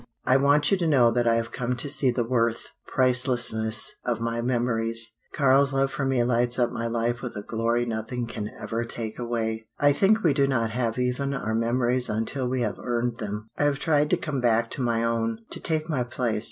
"I want you to know that I have come to see the worth pricelessness of my memories. Karl's love for me lights up my life with a glory nothing can ever take away. I think we do not have even our memories until we have earned them. I have tried to come back to my own, to take my place.